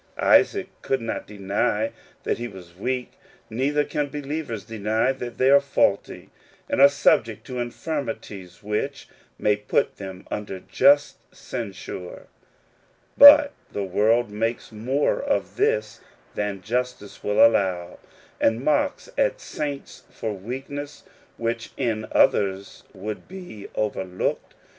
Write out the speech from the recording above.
Isaac could not deny that he was weak, neither can believers deny that they are faulty, and are subject to infirmities which may put them under just censure: but the world makes more of this than justice will allow, and mocks at saints for weaknesses which in others would be overlooked.